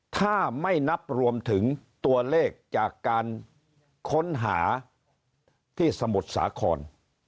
ถ้าไม่นับรวมถึงตัวเลขจากการค้นหาที่สมุทรสาคร